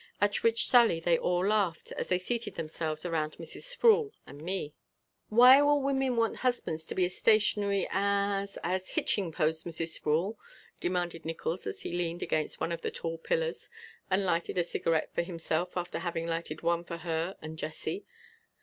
At which sally they all laughed as they seated themselves around Mrs. Sproul and me. "Why will women want husbands to be as stationary as as hitching posts, Mrs. Sproul?" demanded Nickols as he leaned against one of the tall pillars and lighted a cigarette for himself after having lighted one for her and Jessie.